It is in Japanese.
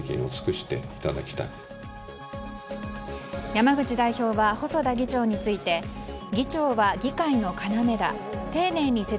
山口代表は細田議長について議長は議会の要だ。